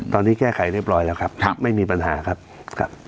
ตอนนี้แก้ไขได้ปล่อยแล้วครับครับไม่มีปัญหาครับครับ